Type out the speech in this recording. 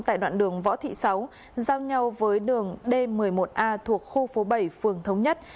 tại đoạn đường võ thị sáu giao nhau với đường d một mươi một a thuộc khu phố bảy phường thống nhất